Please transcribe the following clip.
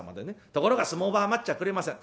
ところが相撲場は待っちゃくれません。